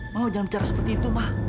mama jangan bicara seperti itu ma